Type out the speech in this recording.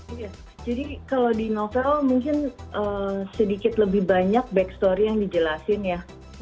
iya jadi kalau di novel mungkin sedikit lebih banyak back story yang dijelasin ya